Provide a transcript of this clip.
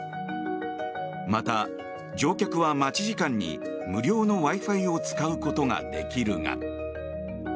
また、乗客は待ち時間に無料のＷｉ−Ｆｉを使うことができるが。